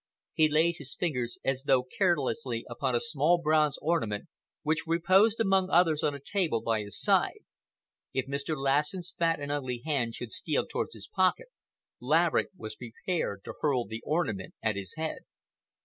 He laid his fingers as though carelessly upon a small bronze ornament which reposed amongst others on a table by his side. If Mr. Lassen's fat and ugly hand should steal toward his pocket, Laverick was prepared to hurl the ornament at his head.